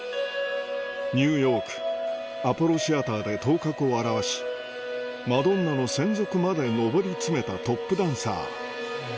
ニューヨークアポロ・シアターで頭角を現しマドンナの専属まで上り詰めたトップダンサー